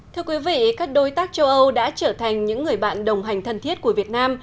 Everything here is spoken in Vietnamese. thưa quý vị các đối tác châu âu đã trở thành những người bạn đồng hành thân thiết của việt nam